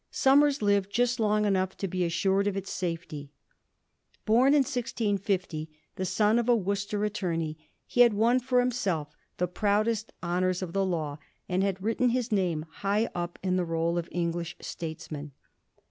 Somers lived just long enough to be assured of its safety. Born in 1650, the son of a Worcester attorney, he had won for himself the proudest honours of the law, and had written his name high up in the roll of English states men.